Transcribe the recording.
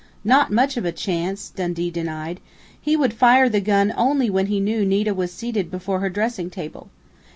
"Not much of a chance!" Dundee denied. "He would fire the gun only when he knew Nita was seated before her dressing table.